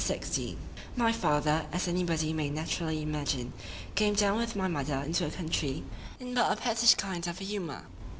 XVI MY father, as any body may naturally imagine, came down with my mother into the country, in but a pettish kind of a humour.